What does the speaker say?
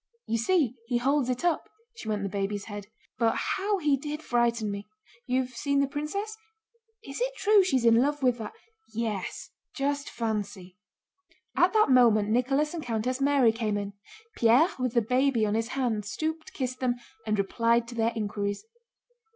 "You see, he holds it up." (She meant the baby's head.) "But how he did frighten me... You've seen the princess? Is it true she's in love with that..." "Yes, just fancy..." At that moment Nicholas and Countess Mary came in. Pierre with the baby on his hand stooped, kissed them, and replied to their inquiries.